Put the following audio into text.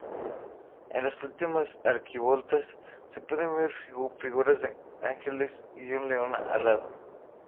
En las últimas arquivoltas se pueden ver figuras de ángeles y un león alado.